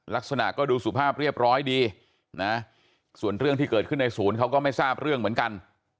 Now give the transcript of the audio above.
ลักษณะก็ดูสุภาพเรียบร้อยดีนะส่วนเรื่องที่เกิดขึ้นในศูนย์เขาก็ไม่ทราบเรื่องเหมือนกัน